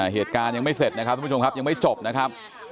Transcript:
เหตุการณ์ยังไม่เสร็จนะครับทุกผู้ชมครับยังไม่จบนะครับ